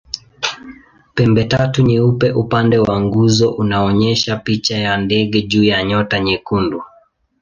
Pembetatu nyeupe upande wa nguzo unaonyesha picha ya ndege juu ya nyota nyekundu.